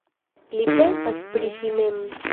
Li pensas pri si mem.